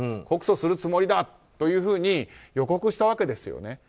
告訴するつもりだというふうに予告したわけですよね。